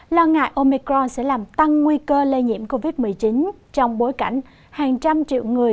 lo ngại omicro sẽ làm tăng nguy cơ lây nhiễm covid một mươi chín trong bối cảnh hàng trăm triệu người